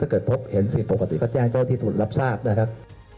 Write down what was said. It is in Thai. เกิดพบเห็นสิ่งปกติก็แจ้งเจ้าที่ทุนรับทราบนะครับ